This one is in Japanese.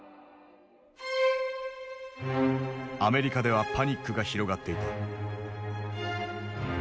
アメリカではパニックが広がっていた。